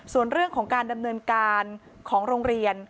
ส่วนเรื่องของการดำเนินการของโรงเรียน